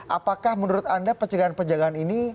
apakah menurut anda pencegahan pencegahan ini